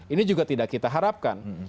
ini juga tidak kita harapkan